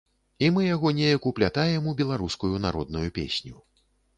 І мы яго неяк уплятаем у беларускую народную песню.